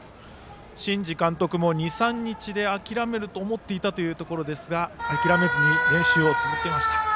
新治監督も２３日で諦めると思っていたというところですが諦めずに練習を続けました。